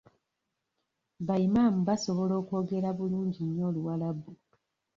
Ba Imam basobola okwogera bulungi nnyo Oluwalabu.